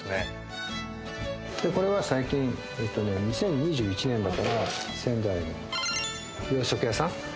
これは最近えっとね２０２１年だから仙台の洋食屋さん。